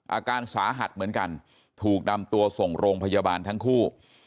อาการสาหัสเหมือนกันถูกนำตัวส่งโรงพยาบาลทั้งคู่